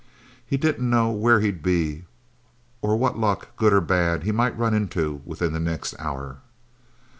He didn't know where he'd be, or what luck, good or bad, he might run into, within the next hour.